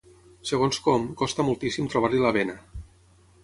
Segons com, costa moltíssim trobar-li la vena.